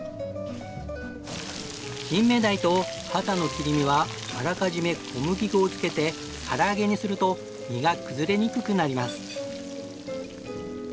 キンメダイとハタの切り身はあらかじめ小麦粉をつけて唐揚げにすると身が崩れにくくなります。